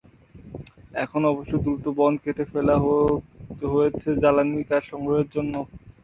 এখন অবশ্য দ্রুত বন কেটে ফেলা হয়েছে জ্বালানির কাঠ সংগ্রহের জন্য।